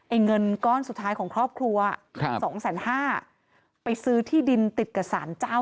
เงินก้อนสุดท้ายของครอบครัวครับสองแสนห้าไปซื้อที่ดินติดกับสารเจ้า